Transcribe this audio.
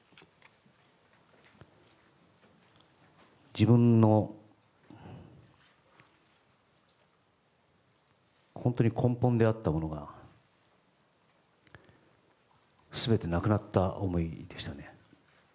自分の本当に根本であったものが全てなくなった思いでしたね。